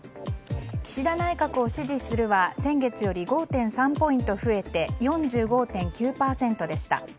岸田内閣を支持するは先月より５．３ポイント増えて４５．９％でした。